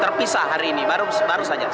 terpisah hari ini baru saja